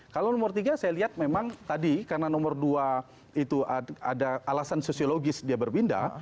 kalau nomor tiga saya lihat memang tadi karena nomor dua itu ada alasan sosiologis dia berpindah